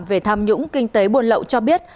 về tham nhũng kinh tế buồn lậu cho biết